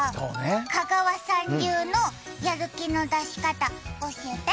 香川さん流のやる気の出し方教えて。